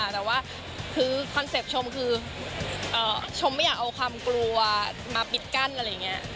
แต่ว่าคือคอนเซ็ปต์ชมคือชมไม่อยากเอาความกลัวมาปิดกั้นอะไรอย่างนี้